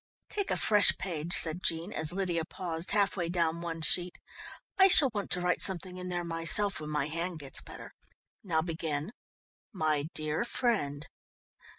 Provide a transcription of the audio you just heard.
"Take a fresh page," said Jean, as Lydia paused half way down one sheet. "I shall want to write something in there myself when my hand gets better. Now begin: "MY DEAR FRIEND."